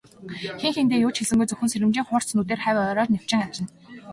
Хэн хэндээ юу ч хэлсэнгүй, зөвхөн сэрэмжийн хурц нүдээр хавь ойроо нэвчин ажна.